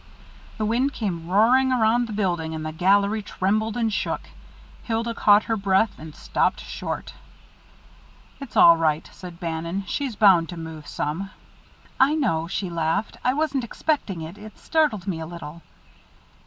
The wind came roaring around the building, and the gallery trembled and shook. Hilda caught her breath and stopped short. "It's all right," said Bannon. "She's bound to move some." "I know " she laughed "I wasn't expecting it it startled me a little."